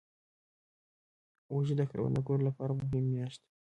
وږی د کروندګرو لپاره مهمه میاشت ده.